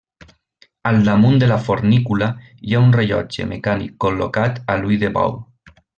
Al damunt de la fornícula hi ha un rellotge mecànic, col·locat a l'ull de bou.